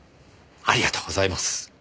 ありがとうございます。